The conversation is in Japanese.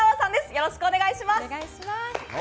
よろしくお願いします。